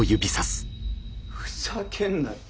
ふざけんなよ。